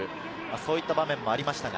そういった場面もありましたが。